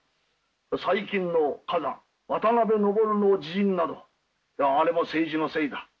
最近の華山渡辺昇の自刃などあれも政治のせいだ。